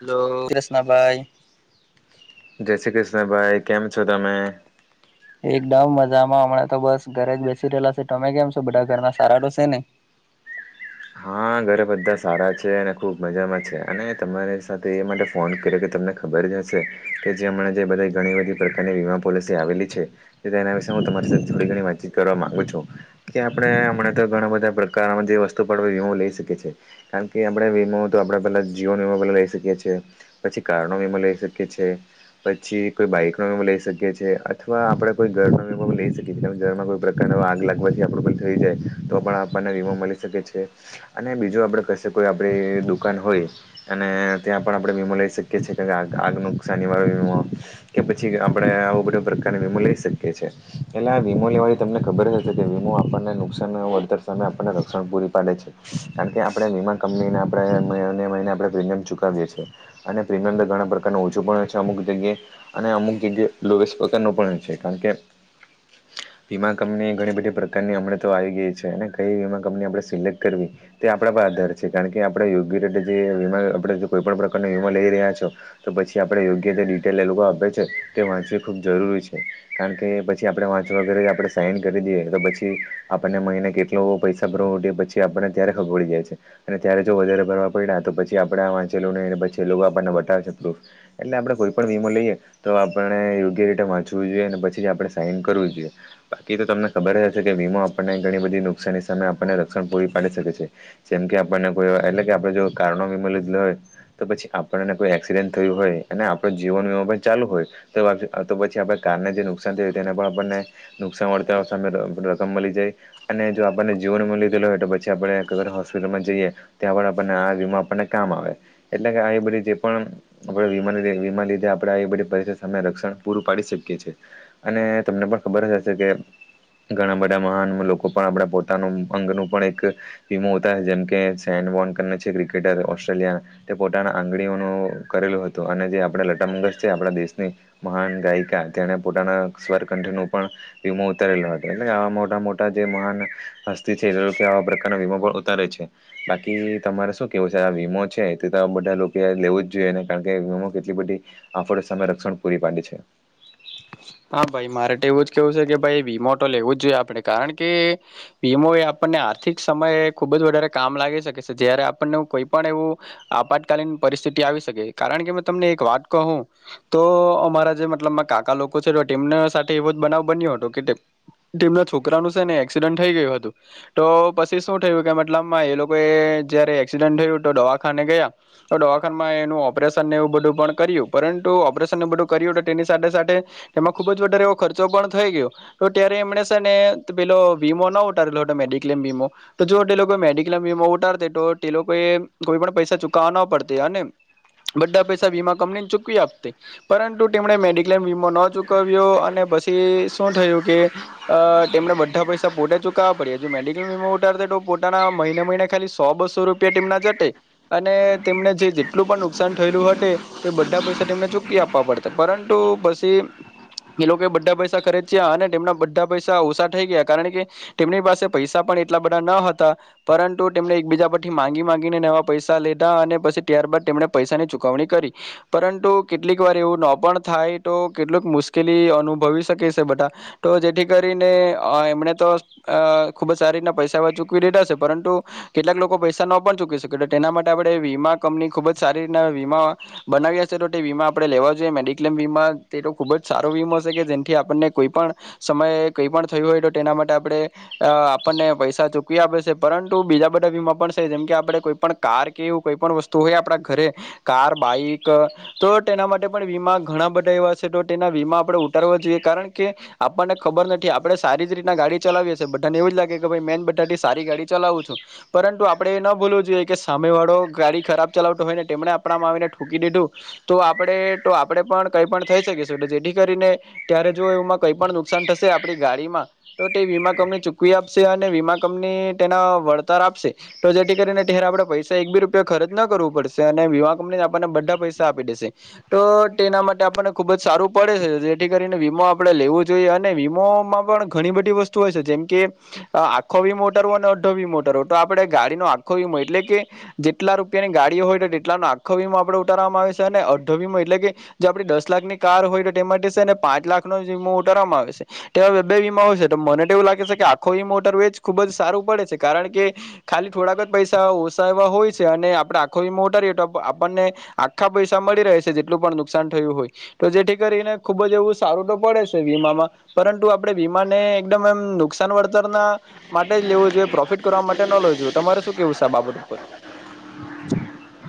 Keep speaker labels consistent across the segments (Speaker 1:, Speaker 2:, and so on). Speaker 1: Hello જય શ્રી કૃષ્ણ ભાઈ.
Speaker 2: જય શ્રી કૃષ્ણ ભાઈ. કેમ છો તમે?
Speaker 1: એકદમ મજામાં હમણાં તો બસ ઘરે જ બેસી રહેલા છે. તમે કેમ છો બધા ઘરના સારા તો છે ને.
Speaker 2: હા! હા, ઘરે બધા સારા છે અને ખુબ મજામાં છે. અને તમારી સાથે એ માટે ફોન કર્યો કે તમને ખબર. જેમ જે બધ ઘણી બધી પ્રકારની વીમા પોલિસી આવેલી છે. તેના વિશે હું તમારી. થોડી ઘણી વાતચીત કરવા માંગુ છું કે આપડે હમણા તો ઘણા બધા પ્રકાર જે વસ્તુ હું લઈ. કારણ કે, આપણે વીમો તો આપ પેલા જીવ વીમો પલા લઈ શકીએ છીએ. પછી કારણો વીમો લઈ. શકીએ છે. પછી કોઈ બાઈકનો લઈ શકીએ છીએ. અથવા આપણે કોઈ ઘર નો લઈ શકીએ છીએ ઘરમાં કોઈ પ્રકાર. આગ લાગવાથી આપલ થઈ જાય. તો પણ આપણને વીમો મળી શકે છે. અને બીજું આપણે કશે કોઈ આપણી દુકાન હોય અને ત્યાં પણ આપણે વીમો લઈ શકીએ છીએ કે. આગ નુકશાનિ વાડો વીમો કે પછી આપડે આવું બધો પ્રકારનો વીમો લઈ શકીએ છીએ. એટલે હા વીમો લેવાથી તમને ખબર જ હશે. કે વીમો આપણને નુકસાન વળતર સામે આપણને રક્ષણ પૂરી પાડે છે. કારણ કે આપણે વીમા કંપની આપણે મહિને આપણે પ્રીમિયમ ચુકવીએ છએ. અને પ્રીમિયમ ઘણા પ્રકારનો ઓછો પણ હોય છે. અમુક જગ્યાએ અને અમુક જગ્યાએ લોએસ પ્રકાર ન પણ હોય છે. કારણ કે [inaudible] વીમા કંપની ઘણી બધી પ્રકારની હમડતો આવી ગઈ છે. અને કઈ વીમા કંપની આપણે સિલેક્ટ. કરવી તે આપણા પર આધાર છે. કારણ કે આપણે યોગ્ય રીતે જે વીમા આપણે કોઈ પણ પ્રકારનો વીમા લઈ રહ્યા છે. તો પછી આપણે યોગ્ય ડિટેલ એ લોકો આપે છે. તે વાંચવી ખૂબ જરૂરી છે. કારણ કે પછી પછી આપણે વાંચવાગ આપણે સાઈન કરી દઈએ. તો પછી આપણને મિને કેટલો પૈસા ભરવોએ પછી. આપને ત્યારે ખબડી જાય છે. અને ત્યારે જો વધારે ભરવા પડ્યા. તો પછી આપડા વાંચેલોને પછી આપણે. પ્રૂફ એટલે આપડે કોઈ પણ વીમો લઈએ તો આપણે યોગ્ય રીતે વાંચવું જોઈએ. અને પછી આપડે. સાઇન કરવું જોઈએ, બાકી તો તમને ખબર જ હશે કે વીમો આપણને ઘણી બધી નુકસાની સામે આપણને રક્ષણ પૂરી. પાડી શકે છે જેમ કે આપણને કોઈ એટલે કે આપડે જો કારનો વીમો લીધલો હોય તો પછી આપણને કોઈ એક્સિડેન્ટ થયું હોય, અને આપણ જીવન વીમો પણ ચાલુ હોય તો તો પછી આપ કારને જે નુકસાન થયું હોય તેને પણ આપણને નુકસાન વળતર સામે રકમ મલી જાય, અને જો આપણને વીમો તે મલી રેલો હોય તો પ છી આપણે કોઈવાર હોસ્પિટલમાં જઈએ, ત્યાં પણ આપણને આ વીમો આપણને કામ આવે, એટલે કે આ એ બધી જે પણ આપડે વીમાના લીધે વીમાના લીધે આપણે આવી બધી પરિસ્થિત સામે રક્ષણ પૂરું પાડી શકીએ છે અને તમને પણ ખબર જ હશે કે ઘણા બધા મહાન લોકો પણ આપણા પોતાનું અંગનું પણ એક [unintelligible] જેમ કે શેનવોન કરને છે ક્રિકેટર ઓસ્ટ્રેલિયા, તે પોતાના આંગળીઓનો કરેલું હતું. અને જે આપણે લટા મંગેશ છે, આપણા દેશની મહાન ગાયિકા તેણે પોતાના સ્વર ક ઠ નો પણ વીમો ઉતારેલો હતો એટલે આ મોટા મોટા જે મહાન હસ્તી છે તે લોકને આવા બધા વીમો પણ ઉતારે છે બાકી તમારે શું કેવું છે આ વીમો છે તે તો બધા લોકોએ લેવું જ જોઈએ. કારણ કે વીમો કેટલી બધી આફતો સામે રક્ષણ પૂરી પાડે છે.
Speaker 1: હા ભાઈ મારે તો એવું જ કેવું છે કે ભાઈ વીમો તો લેવું જ જોઈએ આપડે કારણ કે વીમો એ આપણને આ આર્થિક સમયે ખુબ જ વધારે કામ લાગી શકે સે, જયારે આપણને કોઈ પણ એવું આપાતકાલીન પરિસ્થિતિ આવી શકે કારણ કે તમને એક વાત કહું તો અમારા જે મતલબ માં કાકા લોકો છે તો તેમના સાથે એવો જ બનાવ બન્યો હતો કે તે ટીમના છોકરાનું છે ને એક્સિડન્ટ થઈ ગયું હતું તો પછી શું થયું કે મતલબમાં એ લોકો એ જયારે એક્સિડન્ટ થયું તો દવાખાને ગયા તો દવાખાનમાં એનું ઓપરેશન ને એવું બધું પણ કર્યું, પરંતુ ઓપરેશનું બધું કર્યું તો તેની સાથે સાથે એમાં ખુબ જ વધારે એવો ખર્ચો પણ થઈ ગયો તો ત્યારે એમણે સે ને પેલો વીમો ના ઉતારેલો હતો મેઈન ડી કલેમ વીમો તો જો તે લોકો મેડિક્લેમ વીમો ઉતારતે તો તે લોકો એ કોઈ પણ પૈસા ચુકવવા ના પડતે. અને બધા પૈસા વીમા કંપની જ ચૂકવી આપતે પરંતુ તેમણે મેડિક્લેમ વીમો ન ચૂક વ્યો અને પછી શું થયું કે અ તેમણે બધા પૈસા પોતે ચુકવવા પડ્યા જો મેડી કલેમ વીમો ઉતારતે તો પોતાના મહિને મહિને ખાલી સો બસો રૂપિયા તેમના જટે અને તેમણે જે જેટલું પણ નુકસાન થયેલું હટે તે બધા પૈસા તેમને ચૂકી આપવા પડતે પરંતુ પસી
Speaker 2: [inaudible]
Speaker 1: એ લોકો એ બધા પૈસા ખરીચ્યા અને તેમના બધા પૈસા ઓછા થઈ ગયા કારણ કે તેમની પાસે પૈસા પણ એટ લા બધા ન હતા પરંતુ તેમણે એકબીજા પરથી માંગી માંગીને એવા પૈસા લીધા અને પસી ત્યારબાદ તે મણે પૈસાની ચુકવણી કરી પરંતુ કેટલીક વાર એવું ન પણ થાય તો કેટલુંક મુશ્કેલી અનુભવી શકે સે બધા તો જેથી કરીને એમણે તો અ ખુબ જ સારી રીતના પૈસા એવા ચૂકવી દીધા સે પરંતુ કેટલાક લોકો પૈસા ન પણ ચૂકવી શકે તો એના માટે આપણે વી વીમા કંપની ખુબ જ સારી રીતના વીમા બનાવીયાસે તો તે વીમા આપડે લેવા જોઈએ, મેડિક્લેમ વીમા તે તો ખૂબ જ સારો વીમો સે કે જેમકે આપણને કોઈ પણ સમયે કઈ પણ થયું હોય તો તેના માટે આપળે અ આપણને પૈસા ચૂકવી આપે સે પરંતુ બીજા બધા વીમા પણ સે જેમ કે આપડે કોઈ પણ કાર કે એવું કંઈ પણ વસ્તુ હોય આપણા ઘરે કાર બાઈક તો તેના માટે પણ વીમા ઘણા બધા એવા છે એ ટો ટેના વીમા આપણે ઉતારવો જોઈએ, કારણ કે આપણને ખબર નથી આપડે સારી જ રીતના ગાડી ચલાવીએ છીએ, બટ અને એવું જ લાગે કે મે જ બધાથી સારી ગાડી ચલાવું છું પરંતુ આપડે એ ના ભૂલવું જોઈએ કે સામે વાળો ગાડી ખરાબ ચલાવતો હોય ને તેમણે આપ મા આવીને ઠોકી દીધું તો આપણે તો આપણે પણ કઈ પણ થય શકે જેથી કરીને ત્યારે જો એમાં કઈ પણ નુકસાન થશે આપણી ગાડીમાં તો તે વીમા કંપ ની ચૂકવી આપશે અને વીમા કંપની તેના વળતર આપશે તો જેથી કરીને ત્યારે આપણે પૈસા એક બી રુપિ યો ખર્ચ ના કરવું પડશે અને વીમા કંપનીને આપણને બધા પૈસા આપી દેશે તો તેના માટે આપણને ખુબ જ સારું પડે છે જેથી કરીને વીમો આપણે લેવું જોઈએ અને વીમોમાં પણ ઘણી બધી વસ્તુ હોય છે જે મ કે આખો વીમો ઉતારવો અને અડધો વીમો ઉતારવો તો આપણેે ગાડી નો આખો વીમો એટલે કે જે ટલા રૂપિયાની ગાડીઓ હોય તેટલા નો આખો વીમો આપડે ઉતારવામાં આવે સે અને અડધો વીમો એટલે કે જે આપણે દસ લાખ ની કાર હોય તો તે માટે સે ને પાંચ લાખનો જ વીમો ઉતારવામાં આવે સે તેવા બે બે વીમા હોય સે તો મને તો એવું લાગે સે કે આખો વીમો ઉતારવો એજ ખુબ જ સારું પડે છે કારણ કે ખાલી થોડાક જ પૈસા ઓસા એવા હોય અને આપડે આખો વીમો ઉતારીએ તો આપણને આખા પૈસા મળી રહે છે જેટલું પણ નુકસાન થયું હોય. તો જેથી કરીને ખુબ જ એવું સારું તો પડે છે વીમામાં પરંતુ આપડે વીમાને એકદમ એમ નુકસા ન વળતર ના માટે જ લેવું જોઈએ પ્રોફિટ કરવા માટે ન લેવું જોઈએ તમારે શું કેવું સે આ બાબત ઉપર.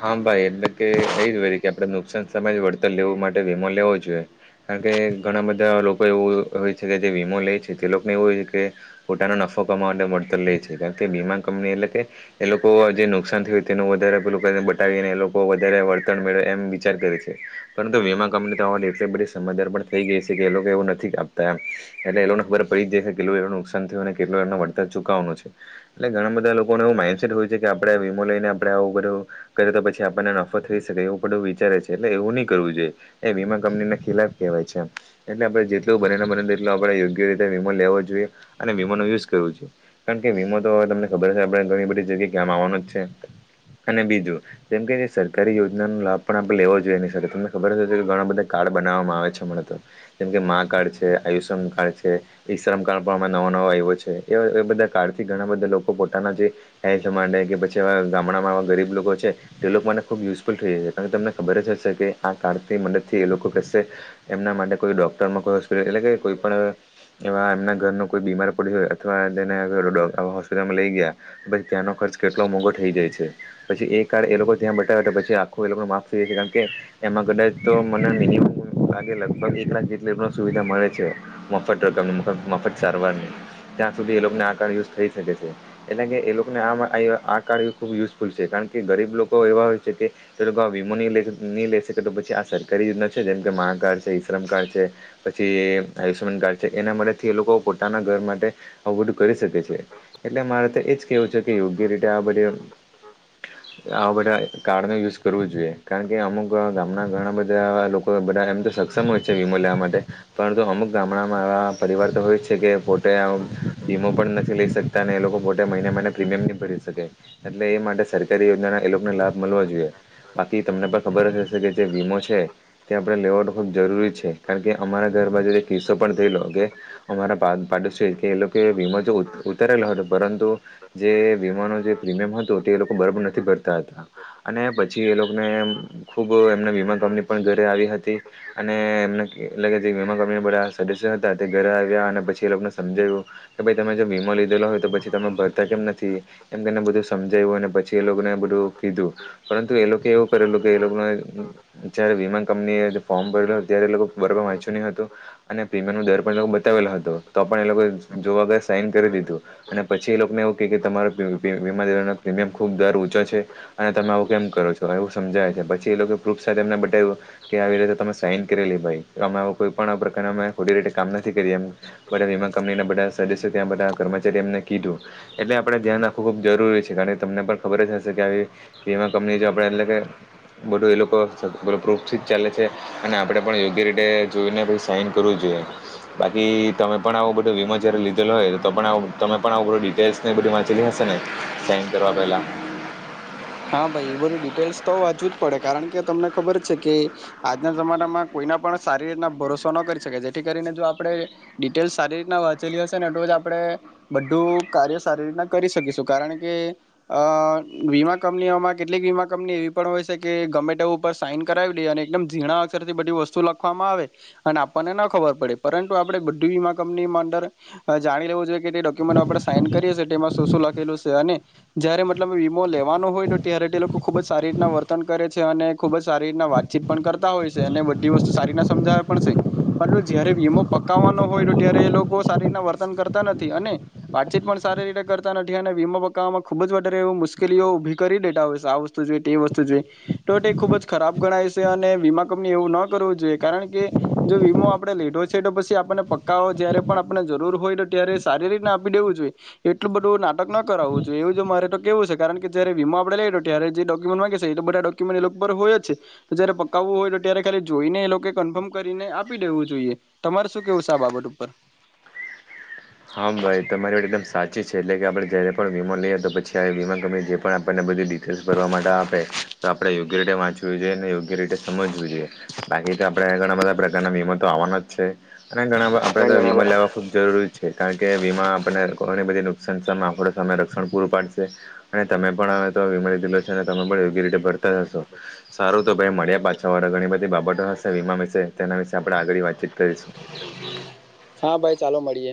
Speaker 2: હા ભાઈ, એટલે કે એજ વરી કેવ આપ નુકસાન સમય જ વળતર લેવું માટે વીમો લેવો જોયે, કારણ કે ઘણા બધા લો કો એવુ હોય છે કે જે વીમો લે છે, તે લોકને એવું હોય છે કે પોતાનો નફો કમાવા માટે મળત લે છે કારણ કે વીમા કંપની એટલે કે એ લોકો જે નુકસાન થયુ તેનું વધા રે પેલું કરીને બતાવીને એ લોકો વધારે વળતણ મેળ એમ વિચાર કરે છે, પરંતુ વીમા કંપની [unintelligible] [unintelligible] બધી સમજદાર પણ થઈ ગઈ છે કે એ લોકો એવું નથી કાપતા એમ, એટલે એ લોકને ખબર પડી જાય કે કેલૂ નુક સાન થયું ને કેટલું એનું વળતર ચુકવાનું છે, એટલે ઘણા બધા લોકોને એવું માન્ડસેટ હોય છે કે આપ વીમો લઇને આપડે આવું બધું કરીએ તો પછી આપને નફો થઈ શકે, એવું બધું વિચારે છે એટલે એવું ની કરવું જોયે. એ વમા કંપ ની ને ખિલાફ કેહવાય છે એમ, એટલે આપડે જેટલું બને [unintelligible] બનેટ આપણે યોગ્ય રીતે વીમો લેવો જોયે. અને વીમો નો યુઝ કરવું જોય. કાણ કે વીમો તો હવે તમને ખબર છે આપડે ઘણી બધી જગ્યાએ ક્યામ આવવાનું જ છે. અને બીજું, જેમ કે જે સરકારી યોજનાનું લાભ પણ આપણે લેવો જોયે એની સાથે, તમને ખબર કે ઘણા બધા કાગ ર્ડ બનાવામાં આવે છે હમડા તો, જેમ કે મા કાર્ડ છે, આયુષન કાર્ડ છે, ઈશ્રમ કાર્ડ પણ નવો નવો આયવો છે, એ એ બધા કાર્ડ થી ઘણા બધા લોકો પોતાના જે હેલ્થ માટે કે પછી ગા ગામમાંવા ગરીબ લોકો છે તે લોક માટે ખૂબ યુઝફુલ થઈ [unintelligible] કાણ તમને ખબર જ હશે કે આ કાર્ડથી મદદથી [unintelligible] એ લોકો કેશે એમના માટે કોઈ ડોક્ટરમાં કોઈ હોસ્પિટલ એટલે કે કોઈ પણ એ એવા એમના ઘરનું કોઈ બીમાર પડ્યું હોય અથવા તેને અગર ડો અ હોસ્પિટલમાં લઈ ગ્યા, પછી ત્યાંનો ખર્ચ કેટલો મોંઘો થઈ જાય છે, પછી એ કાર્ડ એ લોકો ત્યાં બતાવે તો પછી આખું એ લોકોનું માફ થઈ છે કાણ કે એમાં કદાચ તો મને [inaudible] લગભગ એક લાખ જેટલી એ લોક ને સુવિધા મળે છે, મફત રકમ મફત સારવારની. ત્યાં સુધી એ લોકને આ કાર્ડ યુઝ થઈ શકે છે, એટલે કે એ લોકોને [unintelligible] આ કાર્ડ ખૂબ યુઝફુલ છે કાર રણ કે ગરીબ લોકો એવા હોય છે કે તે લોકો વીમો નઈ લ ની લઈ શકે તો પછી આ સરકારી યોજના છે જેમ કે મા મા કાર્ડ છે, ઈશ્રમ કાર્ડ છે, પછી આયુષ્યમાન કાર્ડ છે એના મદદથી એ લોકો પોતાના ઘર માટે આવું બધું કરી શકે છે. એટલે મારે તો એ જ કેહવું છે કે યોગ્ય રીતે આ બધી આમ આવા બધા કાર્ડ નુ યુઝ કરવું જોઈએ કારણ કે અમુક અ ગામના ઘણા બધા લોકો બધાં એમ તો સક્ષમ હોય છે વીમો લેવા માટે, પરંતુ અમુક ગામડામાં પરિવાર તો હોય છે કે પોતે આમ વીમો પણ નથી લઈ શકતા ને એ લોકો પોતે મહિને મહિને પ્રીમિયમ ની ભરી સકે એટલે એ માટે સરકારી યોજનાના એ લોકોને લાભ મલવો જોયે બાકી તમને પણ ખબર જ હશે કે જે વીમો છે, તે આપણે લેવા ખૂબ જરૂરી છે કાણ કે અમારા ઘ ર બાજુ એક કિસ્સો પણ થઈલો કે અમારા પા પાડોશીએ કે એ લોકોએ વીમા જો ઉ ઉતારેલો હતો પરંતુ જે વીમાનો જે પ્રીમિયમ હતું તે એ લોકો બરાબર નથી ભરતા હતા અને પછી એ લોકને ખુબ એમને વીમા ભ [unintelligible] પન ઘરે આવી હતી અને એમને [unintelligible] [unintelligible] બધા સદસ્ય હતા તે ઘરે આવ્યા ને પછી એ લોકને સમજાવ્યું, કે ભાઈ તમે જો વીમો લીધેલો હોય તો પછી તમે ભરતા કેમ નથી? એમ તેને બધું સમજાઇવુ ને પછી એ લોકોને બધું કીધું. પરંતુ એ લોકો એવું કરેલું કે એ લોકો જ્યારે વીમાન કંપની એ ફોર્મ ભરેલું, ત્યારે એ લોકો બરોબર વાચ્યું ની હતું અને પ્રીમિયમલ નો દર પન [unintelligible] [unintelligible] હતો તો પણ એ લોકો જોવા બે સાઈન કરી દીધું અને પછી એ લોકોન એવું કેય તમારો પી પી વિમા દેવાના પ્રીમિયમ ખુબ દર ઉંચો છે અને તમે આવું કેમ કરો છો એવું સમજાય છે, પછી એ લોકોએ પ્રૂફ સાથે [unintelligible] બટાયું કે આવી રીતે તમે સાઈન કરેલી ભાઈ, અમે કોઈ પણ પ્રકાર અમે ખોટી રીતે કામ ન થી કરીયા એમ બધા વીમા કંપની બધા સદસ્યો ત્યા બધા કર્મચારી એમને કીધું, એટલે આપણે ધ્યાન રાખવું ખૂબ જરૂરી છે કાણકે તમને પણ ખબર જ હશે કે આવી વીમા કંપની જો આપણે એટલે કે બધું એ લોકો બધા પ્રૂફથી જ ચાલે છે અને આપણે પણ યોગ્ય રીતે જોઈને પછી સાઈન કરવું જોઈએ. બાકી તમે પણ આવો બધો વીમો જ્યારે લીધેલો હોય, તો પણ આવ તમે પણ આવું બધું ડિટેલ્સ ને બધી વાચેલી હશે ને, સાઇન કરવા પહેલા?
Speaker 1: હા ભાઈ એ બધું ડિટેલ્સ તો વાંજવું જ પડે કારણ કે તમને ખબર જ છે કે આજના જમાનામાં કોઈ ના પણ સારી રીતના ભરોસો ન કરી શકે, જેથી કરીને જો આપણેે ડિટેલ્સ સારી રીતના વાંચેલી હશે ને તોજ આ પડે બધું કાર્ય સારી રીતના કરી શકીશું કારણ કે, અ વીમા કંપનીઓમાં કેટલીક વીમા કંપની એવી પણ હોય છે કે ગમે ટેવ ઉપર સાઈન કરાવી લેય અને એકદમ ઝીણા અક્ષરથી બધી વ સ્તુ લખવામાં આવે અને આપણને ન ખબર પડે, પરંતુ આપણે બધિ વમા કંપનીમાં અંદર જા જાણી લેવું જોઈએ કે તે [unintelligible] સાઈન કરીએ છે તેમાં શું શું લખેલું છે અને જય મતલબ વીમો લે લેવાનો હોય તો ત્યારે ટે લોકો ખુબ જ સારી રીતના વર્તન કરે છે, અને ખુબ જ સારી રીતના વાતચીત પણ કરતા હોય છે, અને બધી વસ્તુ સારીતના સમજાવે પડશે પર જયારે વીમો પકાવવાનો હોય તો ત્યારે એ લોકો સારી રીતના વર્ત કરતા નથી અને વાતચીત પણ સારી રીતે કરતા નથી અને વીમા પકાવવામાં ખુબ જ વધારે એ મુશ્કેલીઓ ઉભી કરી દેતા હોય છે, આ વસ્તુ જોઈ તે વસ્તુ જોઈ તો એ ખુબ જ ખરાબ ગણાય છે, અને વીમા કંપની એવું ન કરવો જોઈએ કારણ કે જો વીમો આપડે લીધો છે, તો પછી આપને પક્કાઓ જયારે પણ આપને જરૂર હોય ત્યારે શારીરિક ના આપી દેવું જોઈએ એટલું બધું નાટક ન કરાવવું જોઈએ એવું જો મારે તો કેવું છે, કારણ કે જ્યારે વીમા આપણે લઈએ તો ત્યારે જે ડો્યુમેન્ટ માગે છે, એ તો બધા ડોક્યુમેન્ટ એ લોકો પર હોય જ તો જયારે પકાવવું હોય તો ત્યારે ખા લી જોઈને એ લોકો કન્ફર્મ કરીને આપી દેવું જોઈએ તમારે શું કેવું છે, આ બાબત ઉપર
Speaker 2: હા ભાઈ તમારી વાત એકદમ સા ચી છે, એટલે કે આપણે જયારે પણ વીમો લઈએ તો પછી આવી વીમા કંપની જે પણ આપણને બધી ડિટેલ્સ ભરવા માટે આપે તો આપડે યોગ્ય રીતે વાંચવવી જોઈએ ને યોગ્ય રીતે સમજવું જોઈએ બાકી તો આપડે ઘણા બધા પ્રકારના વીમ તો આવાના જ છે, અને ઘણા બ આપડે તો વીમા લેવા ખુબ જરૂરી છે કારણ કે વીમા આપણને ધણી બધી નુકસાન સામે આપડો સામે રક્ષણ પૂરું પાડ શે અને તમે પણ અવે ત વીમો લોધીલો છે, તમે પણ યોગ્ય રીતે ભરતા હશો સારું તો ભાઈ મળ્યે પાછા હવે ત ણી બધી બાબતો હશે વીમા વિશે તેના વિશે આપણે આગળ વાતચીત કરીશું.
Speaker 1: હા ભાઈ ચાલો મળીએ